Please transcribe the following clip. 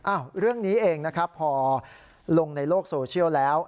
เรื่องนี้เองนะครับพอลงในโลกโซเชียลแล้ว